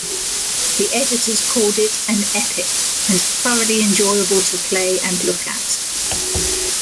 The editors called it "an Epic" and "thoroughly enjoyable to play and look at.